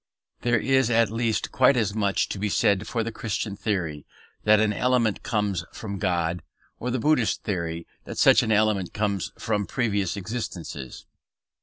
There is at least quite as much to be said for the Christian theory that an element comes from God, or the Buddhist theory that such an element comes from previous existences.